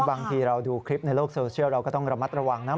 บางทีเราดูคลิปในโลกโซเชียลเราก็ต้องระมัดระวังนะ